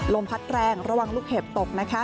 ลมพัดแรงระวังลูกเห็บตกนะคะ